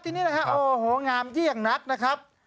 ทีนี้นะครับโอ้โหงามเยี่ยงนักนะครับ